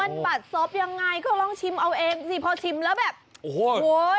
มันบัดซบยังไงก็ลองชิมเอาเองสิพอชิมแล้วแบบโอ้โห